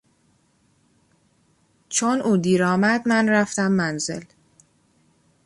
چون او دیرآمد من رفتم منزل.